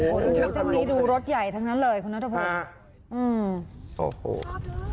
โอ้โฮรถแบบนี้ดูรถใหญ่ทั้งนั้นเลยคุณนัทธพุทธ